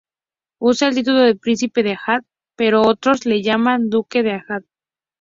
Usa el título de "príncipe de Anhalt", pero otros le llaman duque de Anhalt.